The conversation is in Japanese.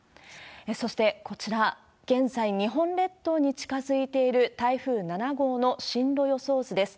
そしてこちら、現在、日本列島に近づいている台風７号の進路予想図です。